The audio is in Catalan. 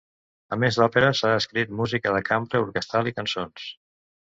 A més d'òperes, ha escrit música de cambra, orquestral i cançons.